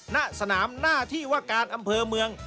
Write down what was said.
ณสนามหน้าที่ว่าการอำเภอเมือง